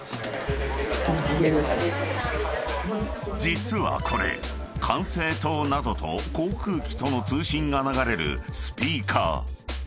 ［実はこれ管制塔などと航空機との通信が流れるスピーカー］